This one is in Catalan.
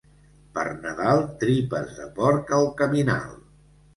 Per Nadal, tripes de porc al caminal.